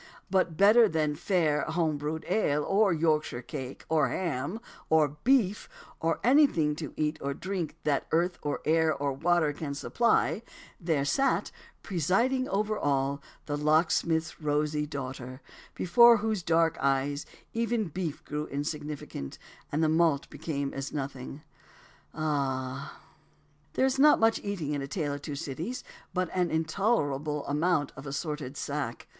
But better than fair home brewed, or Yorkshire cake, or ham, or beef, or anything to eat or drink that earth or air or water can supply, there sat, presiding over all, the locksmith's rosy daughter, before whose dark eyes even beef grew insignificant, and malt became as nothing." Ah h h! There is not much eating in A Tale of Two Cities; but an intolerable amount of assorted "sack."